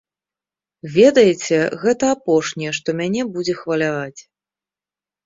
Ведаеце, гэта апошняе, што мяне будзе хваляваць.